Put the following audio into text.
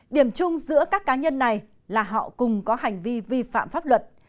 điểm chung giữa các cá nhân này là họ cùng có hành vi vi phạm pháp luật